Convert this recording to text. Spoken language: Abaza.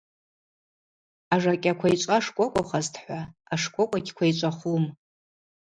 Ажакӏьа квайчӏва шкӏвокӏвахазтӏхӏва, ашкӏвокӏва гьквайчӏвахум.